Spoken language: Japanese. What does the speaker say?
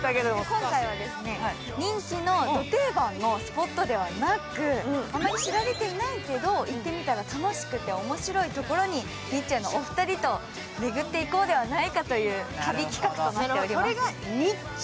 今回は人気のど定番のスポットではなく、あまり知られていないけど、行ってみたら楽しくて面白いところにニッチェのお二人と巡っていこうではないかという旅企画となっております。